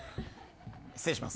失礼します。